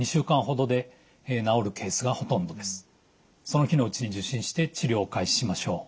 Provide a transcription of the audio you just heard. その日のうちに受診して治療を開始しましょう。